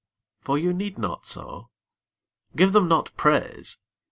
For you need not so. Give them not praise.